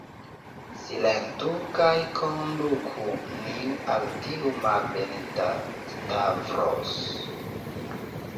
Silentu, kaj konduku nin al tiu malbenita Stavros.